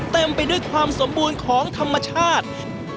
เต็มไปด้วยความสมบูรณ์ของธรรมชาติ